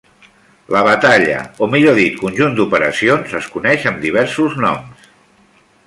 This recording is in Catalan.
La batalla, o millor dit conjunt d'operacions, es coneix amb diversos noms.